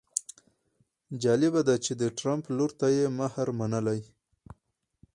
جالبه ده چې د ټرمپ لور ته یې مهر منلی.